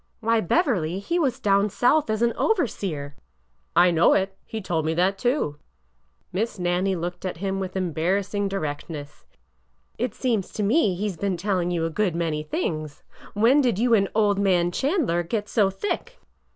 '' Why, Beverly, he was down South as an overseer !"'' I know it. He told me that, too." Miss Nannie looked at him with embarrassing direct ness. '' It seems to me, he 's been telling you a good many things. When did you and old man Chandler get so thick?"